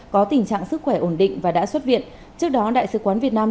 có tình trạng sức khỏe ổn định và đã xuất viện trước đó đại sứ quán việt nam